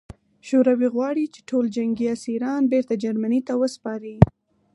شوروي غواړي چې ټول جنګي اسیران بېرته جرمني ته وسپاري